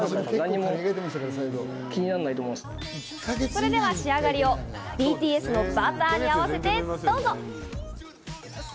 それでは仕上がりをＢＴＳの『Ｂｕｔｔｅｒ』に合わせてどうぞ。